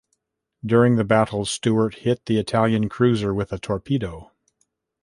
During the battle, "Stuart" hit the Italian cruiser with a torpedo.